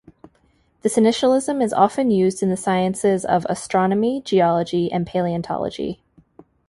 This initialism is often used in the sciences of astronomy, geology, and paleontology.